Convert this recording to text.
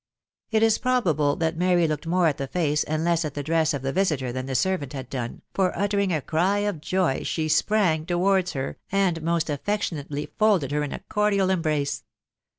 It is probable that Mary looked more at the face and less at the dress of the visiter than the servant had done, for, uttering a cry of joy, aha sprang towards her,, and meat afiactionately folded her in a cordial embrace.